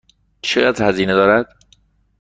چقدر هزینه دارد؟